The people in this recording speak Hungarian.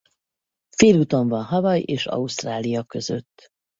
Félúton van Hawaii és Ausztrália között.